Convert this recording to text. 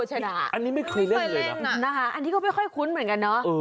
อันนี้ไม่เคยเล่นเลยนะคะอันนี้ก็ไม่ค่อยคุ้นเหมือนกันเนอะ